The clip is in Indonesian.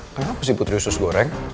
kenapa si putri usus goreng